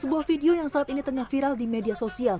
sebuah video yang saat ini tengah viral di media sosial